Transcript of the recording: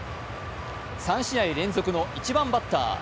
３試合連続の１番バッター。